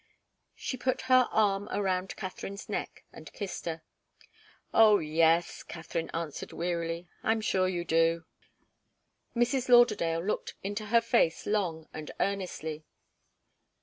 She put her arm round Katharine's neck and kissed her. "Oh, yes!" Katharine answered wearily. "I'm sure you do." Mrs. Lauderdale looked into her face long and earnestly.